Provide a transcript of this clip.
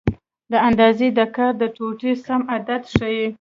دا اندازه د کار د ټوټې سم عدد ښیي.